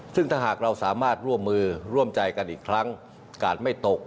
ซึ่งถ้าหากเราสามารถร่วมมือร่วมใจกันอีกครั้งกาดไม่ตก